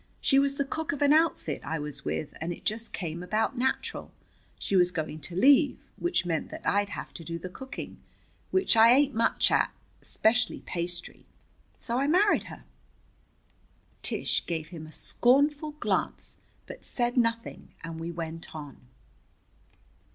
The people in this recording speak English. "She was the cook of an outfit I was with and it just came about natural. She was going to leave, which meant that I'd have to do the cooking, which I ain't much at, especially pastry. So I married her." Tish gave him a scornful glance but said nothing and we went on.